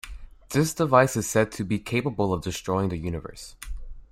This device is said to be capable of destroying the universe.